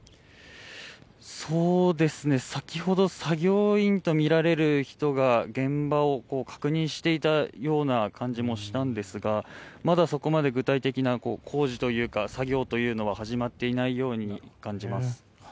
先ほど作業員とみられる人が現場を確認していたような感じもしたんですがまだ、そこまで具体的な工事というか作業というのは始まっていないように感じます。